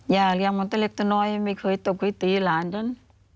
ย่าเรียกมันตัวเล็กตัวน้อยไม่เคยตกไว้ตีหลานฉัน